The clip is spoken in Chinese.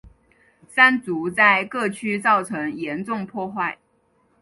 山竹在各区造成严重破坏。